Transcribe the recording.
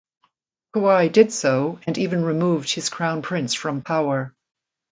Kuai did so and even removed his crown prince from power.